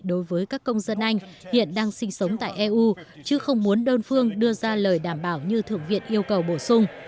đối với các công dân anh hiện đang sinh sống tại eu chứ không muốn đơn phương đưa ra lời đảm bảo như thượng viện yêu cầu bổ sung